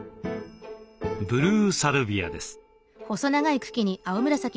ブルーサルビアです。